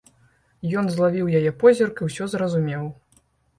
Ён злавіў яе позірк і ўсё зразумеў.